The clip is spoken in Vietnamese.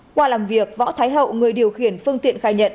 qua làm việc võ thái hậu người điều khiển phương tiện khai nhận